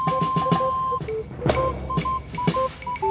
apa itu dok